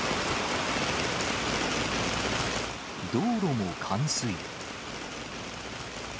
道路も冠水。